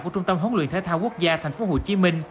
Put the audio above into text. của trung tâm hỗn luyện thế thao quốc gia tp hcm